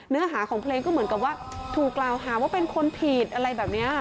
เนื้อหาของเพลงก็เหมือนกับว่าถูกกล่าวหาว่าเป็นคนผิดอะไรแบบนี้